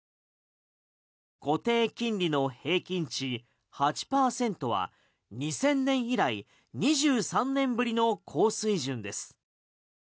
固定金利の平均値８％は２０００年以来２３年ぶりの高水準です。